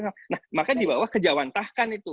nah maka di bawah kejawantahkan itu